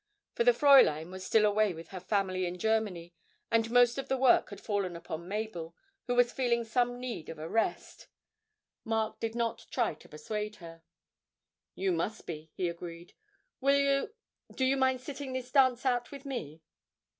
For the Fräulein was still away with her family in Germany, and most of the work had fallen upon Mabel, who was feeling some need of a rest. Mark did not try to persuade her. 'You must be,' he agreed. 'Will you do you mind sitting this dance out with me?'